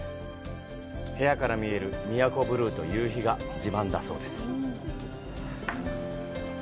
部屋から見える宮古ブルーと夕日が自慢だそうです。